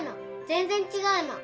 全然違うの！